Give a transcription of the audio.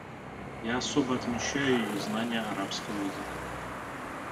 Я особо отмечаю ее знание арабского языка.